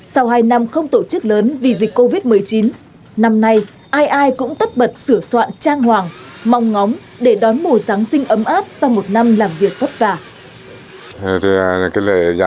sau hai năm không tổ chức lớn vì dịch covid một mươi chín năm nay ai ai cũng tất bật sửa soạn trang hoàng mong ngóng để đón mùa giáng sinh ấm áp sau một năm làm việc vất vả